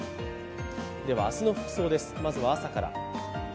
明日の服装です、まずは朝から。